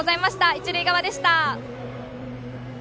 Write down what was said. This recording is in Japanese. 一塁側でした。